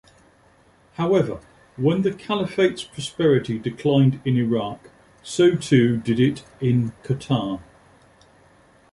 However, when the caliphate's prosperity declined in Iraq, so too did it in Qatar.